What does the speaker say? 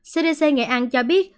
cdc nghệ an cho biết